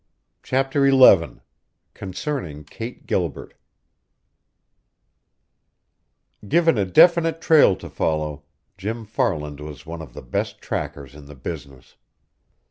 CHAPTER XI CONCERNING KATE GILBERT Given a definite trail to follow, Jim Farland was one of the best trackers in the business.